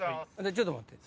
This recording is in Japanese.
ちょっと待って。